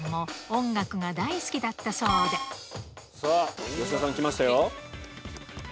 ピンポン吉田さん来ましたよ。